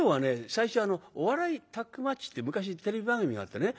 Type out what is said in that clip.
最初「お笑いタッグマッチ」って昔テレビ番組があってね